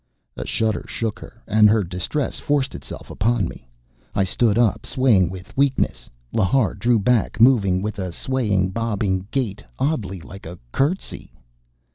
A shudder shook her. And her distress forced itself on me. I stood up, swaying with weakness. Lhar drew back, moving with a swaying, bobbing gait oddly like a curtsey.